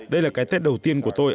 đây là cái tết đầu tiên của tôi